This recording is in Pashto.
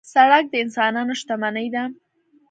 سړک د انسانانو شتمني ده.